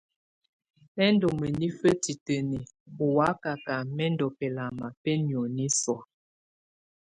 Lɛ́ ndù mǝnifǝ titǝniǝ́ ù wakaka mɛ ndù bɛlama bɛ nioni sɔ̀á.